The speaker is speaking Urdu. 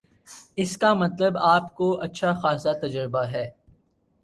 اس کا مطلب آپ کو اچھا خاصا تجربہ ہے